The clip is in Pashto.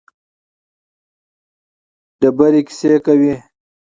تیږې کیسې کوي.